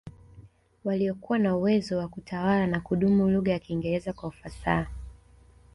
Waliokuwa na uwezo wa kutawala na kumudu lugha ya Kiingereza kwa ufasaha